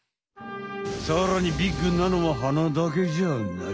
さらにビッグなのは鼻だけじゃない。